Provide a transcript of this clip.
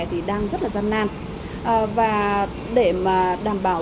thì đang rất là gian nan và để mà đảm bảo